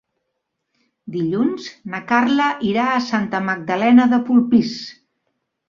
Dilluns na Carla irà a Santa Magdalena de Polpís.